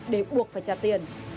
để buộc phải trả tiền